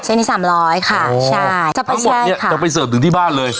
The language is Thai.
ที่สามร้อยค่ะใช่ทั้งหมดเนี้ยจะไปเสิร์ฟถึงที่บ้านเลย